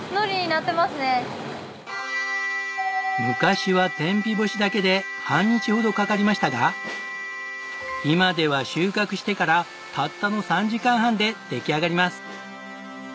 昔は天日干しだけで半日ほどかかりましたが今では収穫してからたったの３時間半で出来上がります。